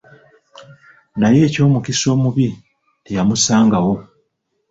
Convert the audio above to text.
Naye eky'omukisa omubi, teyamusangawo.